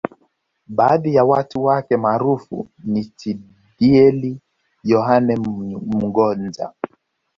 Baadhi ya watu wake maarufu niChedieli Yohane Mgonja